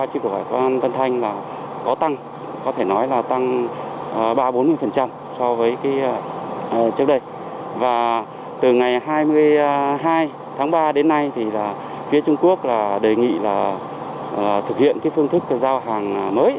từ ngày hai mươi hai tháng ba đến nay phía trung quốc đề nghị thực hiện phương thức giao hàng mới